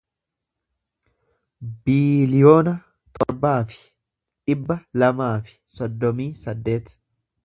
biiliyoona torbaa fi dhibba lamaa fi soddomii saddeet